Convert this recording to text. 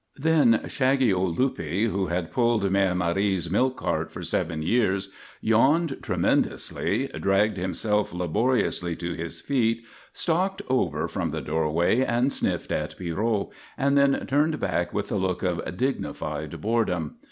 Then shaggy old Luppe, who had pulled Mère Marie's milk cart for seven years, yawned tremendously, dragged himself laboriously to his feet, stalked over from the doorway and sniffed at Pierrot, and then turned back with a look of dignified boredom.